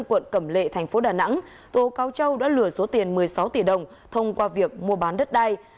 quận cẩm lệ tp đà nẵng tố cao châu đã lừa số tiền một mươi sáu tỷ đồng thông qua việc mua bán đất đai